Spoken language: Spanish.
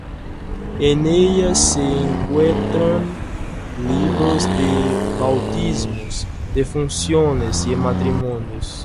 En ellas se encuentran libros de bautismos, defunciones y matrimonios.